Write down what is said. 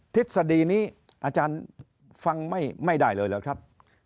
ทฤษฎีนี้อาจารย์ฟังไม่ได้เลยเหรอครับ